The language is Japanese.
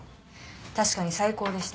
確かに最高でした。